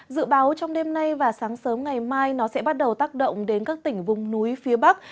dự báo trong đêm nay và sáng sớm ngày mai nó sẽ bắt đầu tác động đến các tỉnh vùng núi phía bắc